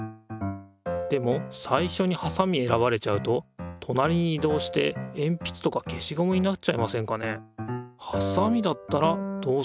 でもさいしょにはさみ選ばれちゃうととなりに移動してえんぴつとか消しゴムになっちゃいませんかね？